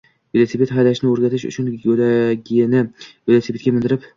velosiped haydashni o'rgatish uchun go'dagini velosipedga mindirib